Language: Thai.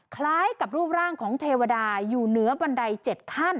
คล้ายกับรูปร่างของเทวดาอยู่เหนือบันได๗ขั้น